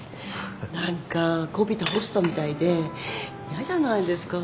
何かこびたホストみたいでやじゃないですか。